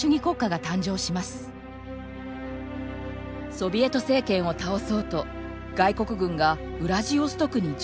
ソビエト政権を倒そうと外国軍がウラジオストクに上陸。